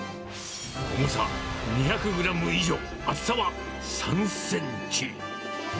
重さ２００グラム以上、厚さは３センチ。